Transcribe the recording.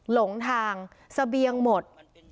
หลงทางเสบียงหมด